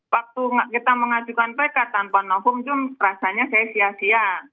waktu kita mengajukan pk tanpa novum itu rasanya saya sia sia